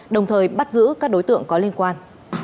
để bắt giữ các đối tượng có liên quan